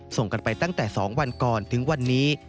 ส่งกันไปตั้งแต่๒วันก่อนถึงวันนี้